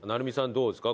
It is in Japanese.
どうですか？